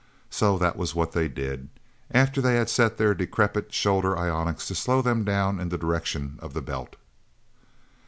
So that was what they did, after they had set their decrepit shoulder ionics to slow them down in the direction of the Belt.